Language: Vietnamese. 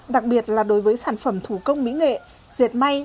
đặc biệt là đối với sản phẩm thủ công mỹ nghệ dệt may